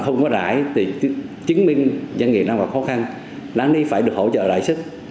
không có lãi thì chứng minh doanh nghiệp đang có khó khăn lắng lý phải được hỗ trợ đại sức